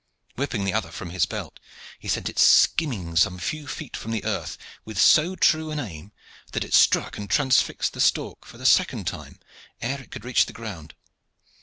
Whipping the other from his belt, he sent it skimming some few feet from the earth with so true an aim that it struck and transfixed the stork for the second time ere it could reach the ground.